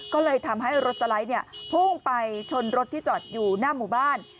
ก็เลยทำให้รถสไลด์พุ่งไปชนรถที่จอดอยู่หน้าหมู่บ้าน